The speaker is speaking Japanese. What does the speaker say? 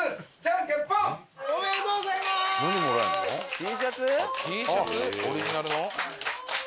「Ｔシャツ？オリジナルの？」